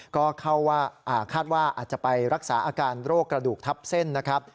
ก็คาดว่าอาจจะไปรักษาอาการโรคกระดูกทับเส้นนะครับ